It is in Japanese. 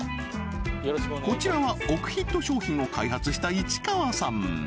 こちらは億ヒット商品を開発した市川さん